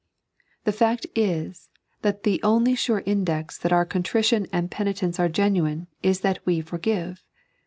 The fact is that the only sure index that our contrition and penitence are genuine is that we forgive.